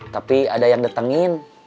tapi ada yang detengin